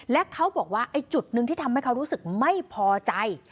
และเขาบอกว่าไอ้จุดหนึ่งที่ทำให้เขารู้สึกไม่พอใจ